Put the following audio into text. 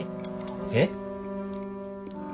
えっ。